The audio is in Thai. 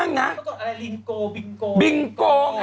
คุณหมอโดนกระช่าคุณหมอโดนกระช่า